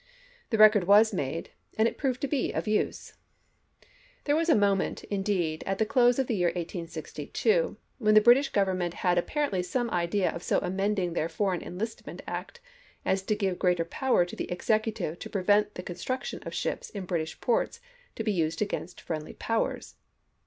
The record was made, and it proved to be of use. There was a moment, indeed, at the close of the year 1862, when the British Government had ap parently some idea of so amending their Foreign Enlisisment Act as to give greater power to the Executive to prevent the construction of ships in British ports to be used against friendly powers.